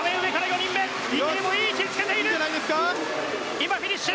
今、フィニッシュ！